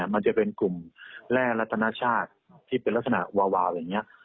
มันจะเป็นกลุ่มแร่รัฐนาชาติที่เป็นลักษณะวาวอย่างนี้